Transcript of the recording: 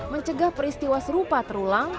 mencegah peristiwa serupa terulang